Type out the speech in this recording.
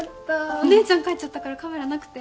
お姉ちゃん帰っちゃったからカメラなくて。